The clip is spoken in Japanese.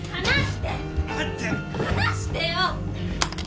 離してよ！